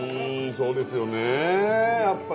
そうですよねやっぱね。